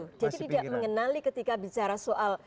jadi tidak mengenali ketika bicara soal